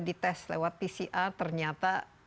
dites lewat pcr ternyata